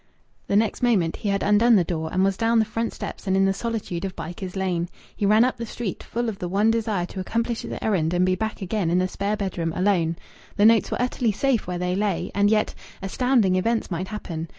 The next moment he had undone the door and was down the front steps and in the solitude of Bycars Lane. He ran up the street, full of the one desire to accomplish his errand and be back again in the spare bedroom alone. The notes were utterly safe where they lay, and yet astounding events might happen.